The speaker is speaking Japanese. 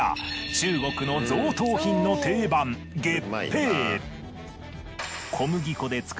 中国の贈答品の定番月餅。